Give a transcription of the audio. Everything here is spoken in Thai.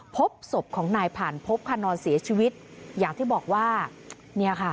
พบศพของนายผ่านพบค่ะนอนเสียชีวิตอย่างที่บอกว่าเนี่ยค่ะ